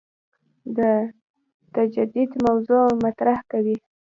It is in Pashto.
د تجدید موضوع مطرح کوي.